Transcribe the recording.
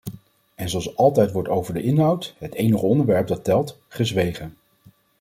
En zoals altijd wordt over de inhoud, het enige onderwerp dat telt, gezwegen.